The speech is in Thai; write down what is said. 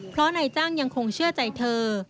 เพราะนายจ้างยังคงเชื่อใจเธอ